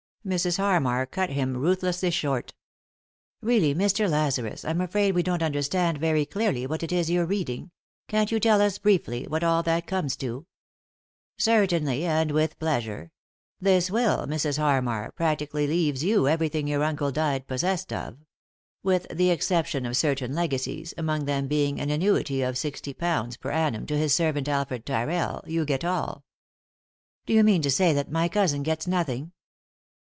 Mrs. Harmar cut him ruthlessly short "Really, Mr. Lazarus, I'm afraid we don't under stand very clearly what it is you're reading. Can't you tell us, briefly, what all that comes to ?" "Certainly, and with pleasure. This will, Mis. Harmar, practically leaves you everything your uncle died possessed of. With the exception of certain legacies, among them being an annuity of £60 per annum to his servant, Alfred Tyrrell, you get all." " Do you mean to say that my cousin gets nothing